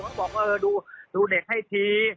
เขาบอกว่าดูเด็กให้ที